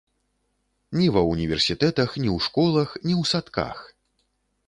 Ні ва ўніверсітэтах, ні ў школах, ні ў садках!